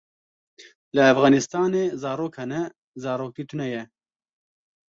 Li Efxanistanê zarok hene, zaroktî tune ye.